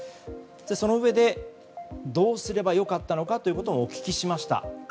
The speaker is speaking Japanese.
そのうえでどうすればよかったのかということもお聞きしました。